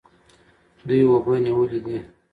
دوی اوبه نیولې دي.